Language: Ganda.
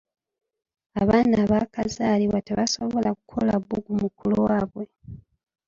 Abaana abaakazalibwa tebasobola kukola bbugumu ku lwabwe.